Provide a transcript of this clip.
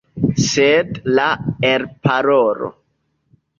Sed la elparolo!